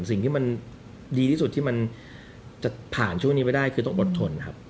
สิ่งที่มันดีที่สุดที่มันจะผ่านช่วงนี้ไปได้คือต้องอดทนครับ